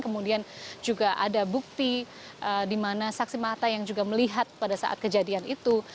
kemudian juga ada bukti di mana saksi mata yang juga melihat pada saat kejadian itu